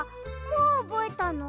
もうおぼえたの？